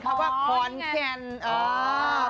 เขาแปะอักษรเป็นคำว่าขอนแก่น